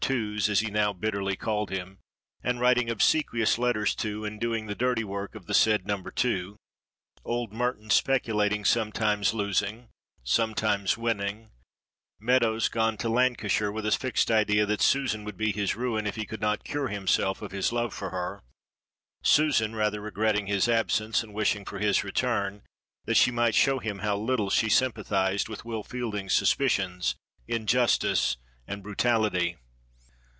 2's, as he now bitterly called him, and writing obsequious letters to, and doing the dirty work of, the said No. 2; old Merton speculating, sometimes losing, sometimes winning; Meadows gone to Lancashire with a fixed idea that Susan would be his ruin if he could not cure himself of his love for her; Susan rather regretting his absence, and wishing for his return, that she might show him how little she sympathized with Will Fielding's suspicions, injustice and brutality.